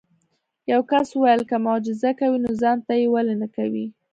یو کس وویل که معجزه کوي نو ځان ته یې ولې نه کوې.